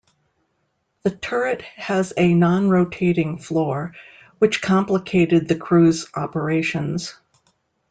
The turret has a non-rotating floor, which complicated the crew's operations.